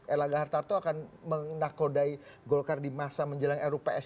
erlangga hartarto akan menakodai golkar di masa menjelang rups